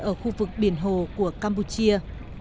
ở khu vực biển hồ của campuchia